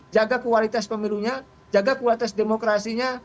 jaga kualitas pemilunya jaga kualitas demokrasinya